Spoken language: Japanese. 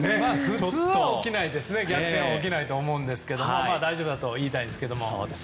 普通は逆転は起きないと思うので大丈夫だと言いたいですけども。